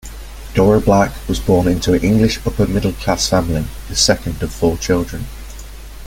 Dora Black was born into an English upper-middle-class family, the second of four children.